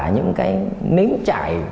những cái nếm chải